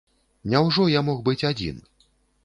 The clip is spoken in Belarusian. Няўжо я мог быць адзін?